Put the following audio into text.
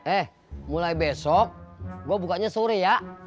eh mulai besok gue bukanya sore ya